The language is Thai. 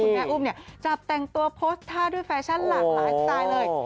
แล้วคุณแม่อุ้มจับแต่งตัวโพสต์ท่าด้วยแฟชั่นหลากสนายเลย